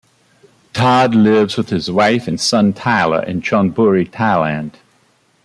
Todd lives with his wife and son Tyler in Chonburi, Thailand.